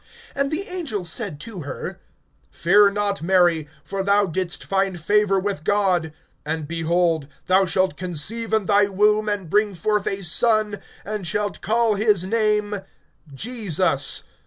(30)And the angel said to her: Fear not, Mary; for thou didst find favor with God. (31)And, behold, thou shalt conceive in thy womb, and bring forth a son, and shalt call his name Jesus.